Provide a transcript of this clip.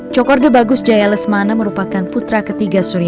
cokorde bagus jaya lesmana merupakan putra ketiga suria